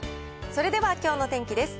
それではきょうの天気です。